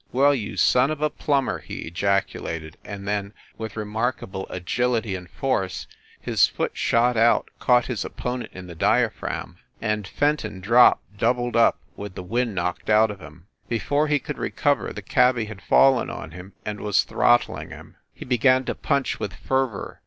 "Well, you son of a plumber!" he ejaculated, and then, with remarkable agility and force, his foot shot out, caught his opponent in the diaphragm and 98 FIND THE WOMAN Fenton dropped doubled up, with the wind knocked out of him. Before he could recover the cabby had fallen on him, and was throttling him. He began to punch with fervor.